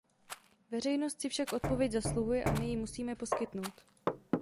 Veřejnost si však odpověď zasluhuje a my ji musíme poskytnout.